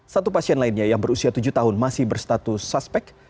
satu pasien lainnya yang berusia tujuh tahun masih berstatus suspek